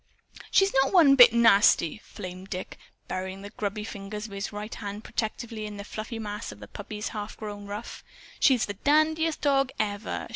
"She's not one bit nasty!" flamed Dick, burying the grubby fingers of his right hand protectively in the fluffy mass of the puppy's half grown ruff. "She's the dandiest dog ever!